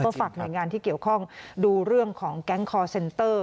ฝากหน่วยงานที่เกี่ยวข้องดูเรื่องของแก๊งคอร์เซ็นเตอร์